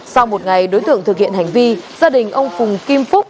sau một ngày đối tượng thực hiện hành vi gia đình ông phùng kim phúc